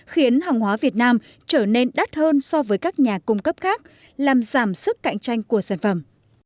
khiến hàng hóa việt nam trở nên đắt hơn so với các nhà cung cấp khác làm giảm sức cạnh tranh của sản phẩm